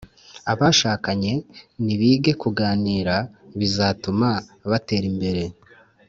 Abashakanye nibige kuganira, bizatuma batera imbere